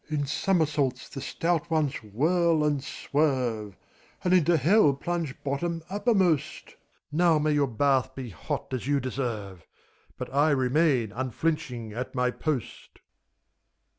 In somersaults the stout ones whirl and swerve. And into Hell plunge bottom uppermost. Now may your bath be hot as you deserve ! But I remain, unflinching, at my post.